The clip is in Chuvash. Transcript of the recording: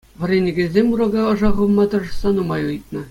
Вӗренекенсем урока ӑша хывма тӑрӑшса нумай ыйтнӑ.